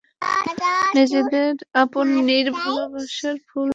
নিজেদের আপন নীড়ে ভালোবাসার ফুল ফোটান।